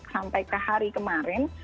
sampai ke hari kemarin